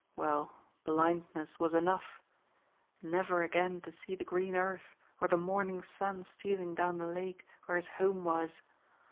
Well, blindness was enough! Never again to see the green earth or the morning sun stealing down the lake where his home was.